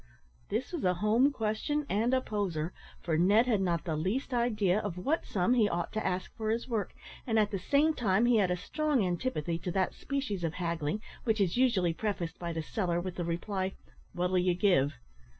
This was a home question, and a poser, for Ned had not the least idea of what sum he ought to ask for his work, and at the same time he had a strong antipathy to that species of haggling, which is usually prefaced by the seller, with the reply, "What'll ye give?"